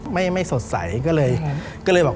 ไม่สดใสก็เลยบอก